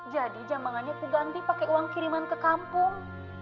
jadi jambangannya aku ganti pake uang kiriman ke kampung